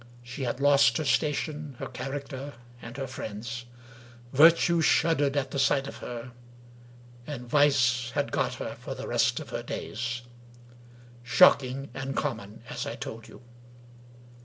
She had lost her station, her character, and her friends. Virtue shuddered at the sight of her; and Vice had got her for the rest of her days. Shocking and common, as I told you.